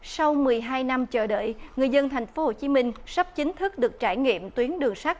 sau một mươi hai năm chờ đợi người dân tp hcm sắp chính thức được trải nghiệm tuyến đường sắt